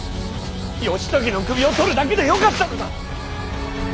義時の首を取るだけでよかったのだ！